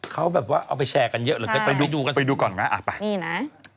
เขาแบบว่าเอาไปแชร์กันเยอะหรือเปล่าไปดูก่อนนะไปนี่นะ